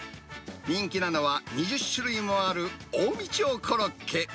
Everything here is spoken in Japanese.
人気なのは、２０種類もある近江町コロッケ。